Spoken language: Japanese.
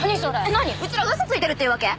何うちらが嘘ついてるっていうわけ！？